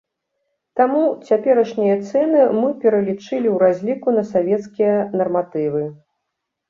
Таму цяперашнія цэны мы пералічылі ў разліку на савецкія нарматывы.